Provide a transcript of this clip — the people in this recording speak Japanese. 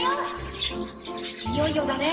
いよいよだね。